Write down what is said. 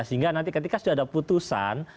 sehingga nanti ketika sudah ada putusan